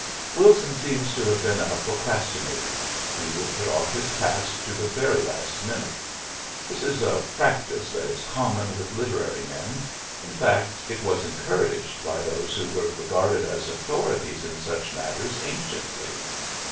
Wilson seems to have been a procrastinator. He would put off his task to the very last moment; this is a practice that is common with literary men in fact, it was encouraged by those who were regarded as authorities in such matters anciently.